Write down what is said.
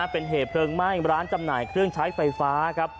เป็นเหตุเพลิงไหม้ร้านจำหน่ายเครื่องใช้ไฟฟ้าครับ